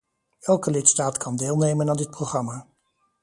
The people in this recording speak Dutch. Elke lidstaat kan deelnemen aan dit programma.